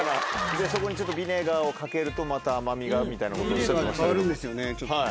そこにちょっとビネガーをかけるとまた甘みがみたいなことおっしゃってましたけども。